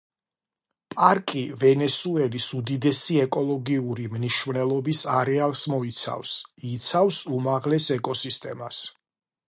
პარკი ვენესუელის უდიდესი ეკოლოგიური მნიშვნელობის არეალს მოიცავს, იცავს უმაღლეს ეკოსისტემას.